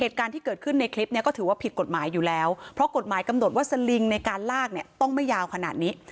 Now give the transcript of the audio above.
เหตุการณ์ที่เกิดขึ้นในคลิปนี้ก็ถือว่าผิดกฎหมายอยู่แล้วเพราะกฎหมายกำหนดว่าสลิงในการลากเนี่ยต้องไม่ยาวขนาดนี้